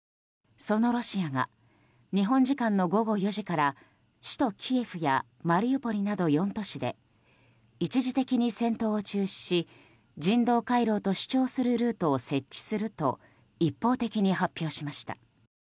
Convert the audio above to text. そのロシアが日本時間の午後４時から首都キエフやマリウポリなど４都市で一時的に戦闘を中止し人道回廊と主張するルートを設置すると一方的に発表しました。